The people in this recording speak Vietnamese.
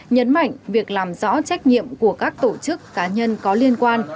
nhấn mạnh việc làm rõ trách nhiệm của các tổ chức cá nhân có liên quan